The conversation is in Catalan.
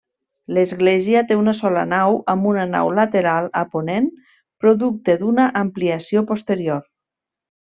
L'església té una sola nau amb una nau lateral a ponent producte d'una ampliació posterior.